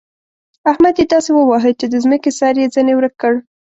احمد يې داسې وواهه چې د ځمکې سر يې ځنې ورک کړ.